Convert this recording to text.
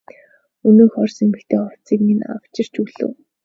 Өнөөх орос эмэгтэй хувцсыг минь авчирч өглөө.